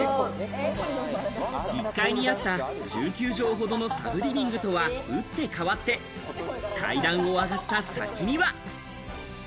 １階にあった１９帖ほどのサブリビングとは打って変わって、階段を上がった先には。